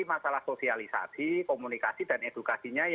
masalah sosialisasi komunikasi dan edukasinya